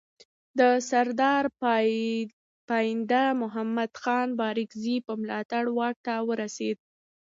د سردار پاینده محمد خان بارکزي په ملاتړ واک ته ورسېد.